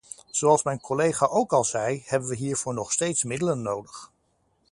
Zoals mijn collega ook al zei, hebben we hiervoor nog steeds middelen nodig.